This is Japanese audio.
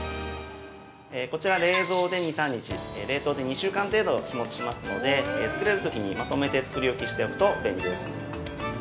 ◆こちら、冷蔵で２３日冷凍で２週間程度日もちしますので作れるときにまとめて作り置きしておくと便利です。